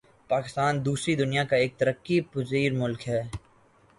پاکستان دوسری دنیا کا ایک ترقی پزیر ملک ہے